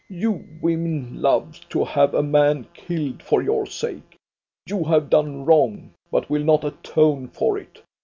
You women love to have a man killed for your sake. You have done wrong, but will not atone for it.